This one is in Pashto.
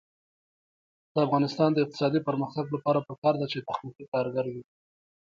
د افغانستان د اقتصادي پرمختګ لپاره پکار ده چې تخنیکي کارګر وي.